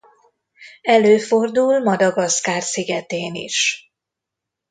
Előfordul Madagaszkár szigetén is.